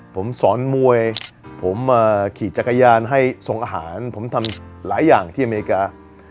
ผมสอนมวยผมมาขี่จักรยานให้ส่งอาหารผมทำหลายอย่างที่อเมริกา